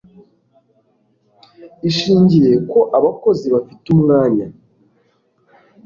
Ishingiye ko abakozi bafite umwanya